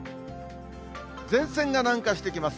前線が南下してきます。